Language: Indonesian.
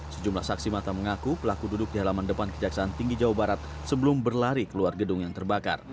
sejumlah saksi mata mengaku pelaku duduk di halaman depan kejaksaan tinggi jawa barat sebelum berlari keluar gedung yang terbakar